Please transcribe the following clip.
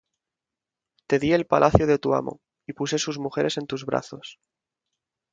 Te di el palacio de tu amo, y puse sus mujeres en tus brazos.